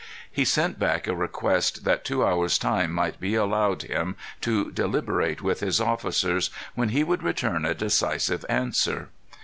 He sent back a request that two hours' time might be allowed him to deliberate with his officers, when he would return a decisive answer.